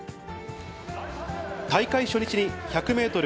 大会初日に１００メートル